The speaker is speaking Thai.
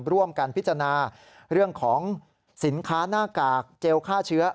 ร่วมกันพิจารณาเรื่องของสินค้าหน้ากากเจลฆ่าเชื้อ